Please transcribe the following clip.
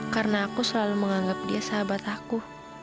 karena aku selalu menganggap dia sahabat aku